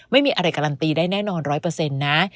ไม่มีอะไรการันตีได้แน่นอน๑๐๐นะ